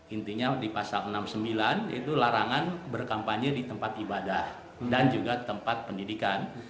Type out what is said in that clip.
intinya di pasal enam puluh sembilan itu larangan berkampanye di tempat ibadah dan juga tempat pendidikan